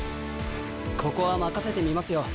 ここは任せてみますよ